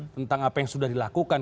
tentang apa yang sudah dilakukan